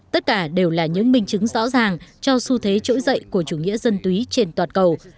tất cả đều là những minh chứng rõ ràng cho xu thế trỗi dậy của chủ nghĩa dân túy trên toàn cầu